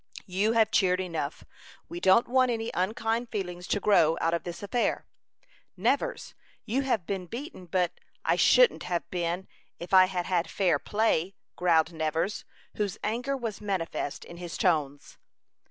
"You have cheered enough. We don't want any unkind feelings to grow out of this affair. Nevers, you have been beaten, but " "I shouldn't have been, if I had had fair play," growled Nevers, whose anger was manifest in his tones.